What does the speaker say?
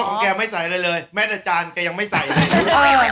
พ่อของแกไม่ใส่อะไรเลยแมทอาจารย์แกยังไม่ใส่เลย